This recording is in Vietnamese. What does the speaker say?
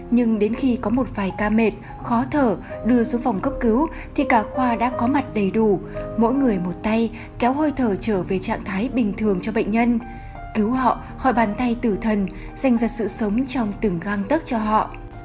nhưng đến khi có một vài ca mệt khó thở đưa xuống phòng cấp cứu thì cả khoa đã có mặt đầy đủ mỗi người một tay kéo hơi thở trở về trạng thái bình thường cho bệnh nhân cứu họ khỏi bàn tay tử thần dành ra sự sống trong từng găng tức cho họ